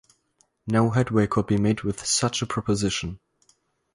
No headway could be made with such a proposition.